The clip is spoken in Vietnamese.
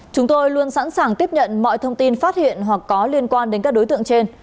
chúng tôi luôn sẵn sàng tiếp nhận mọi thông tin phát hiện hoặc có liên quan đến các đối tượng trên